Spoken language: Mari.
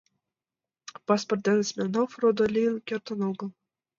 Паспорт дене Смирнов родо лийын кертын огыл.